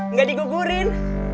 nggak di gugurin